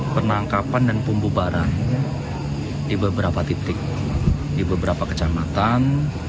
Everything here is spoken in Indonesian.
penangkapan dan pembubaran di beberapa titik di beberapa kecamatan